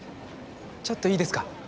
ちょっといいですか？